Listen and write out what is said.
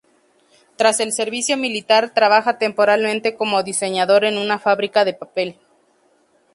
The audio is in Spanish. Tras el servicio militar trabaja temporalmente como diseñador en una fábrica de papel.